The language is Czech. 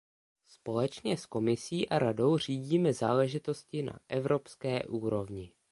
Společně s Komisí a Radou řídíme záležitosti na evropské úrovni.